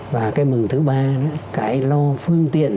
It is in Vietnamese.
và cái mừng thứ ba đó là cái lo phương tiện